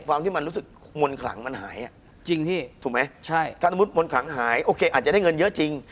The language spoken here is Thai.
ความที่มันรู้สึกมนต์ขลังมันหายจริงพี่ถูกไหมใช่ถ้าสมมุติมนต์ขลังหายโอเคอาจจะได้เงินเยอะจริง